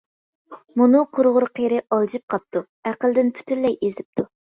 مۇنۇ قۇرغۇر قېرى ئالجىپ قاپتۇ، ئەقلىدىن پۈتۈنلەي ئېزىپتۇ!